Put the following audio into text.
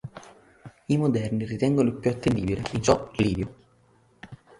I moderni ritengono più attendibile, in ciò, Livio.